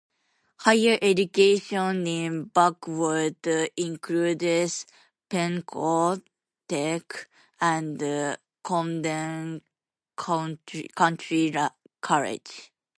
Higher education in Blackwood includes Pennco Tech and Camden County College.